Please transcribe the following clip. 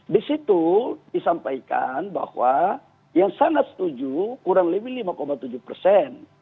di situ disampaikan bahwa yang sangat setuju kurang lebih lima tujuh persen